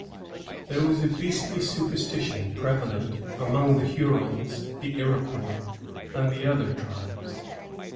There was a beastly superstition prevalent among the Hurons, the Iroquois, and other tribes.